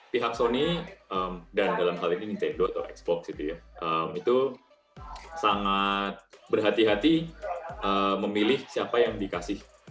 pihak sony dan dalam hal ini nintendo atau expox itu sangat berhati hati memilih siapa yang dikasih